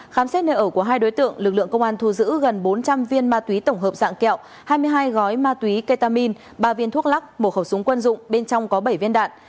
khám xét nơi ở của hai đối tượng lực lượng công an thu giữ gần bốn trăm linh viên ma túy tổng hợp dạng kẹo hai mươi hai gói ma túy ketamin ba viên thuốc lắc một khẩu súng quân dụng bên trong có bảy viên đạn